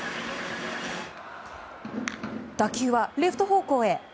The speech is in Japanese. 打球はレフト方向へ。